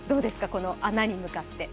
この穴に向かって。